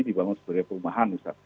dibawah sebuah perumahan misalnya